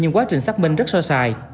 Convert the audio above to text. nhưng quá trình xác minh rất sơ sài